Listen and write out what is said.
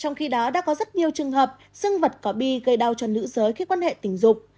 trong khi đó đã có rất nhiều trường hợp dương vật có bi gây đau cho nữ giới khi quan hệ tình dục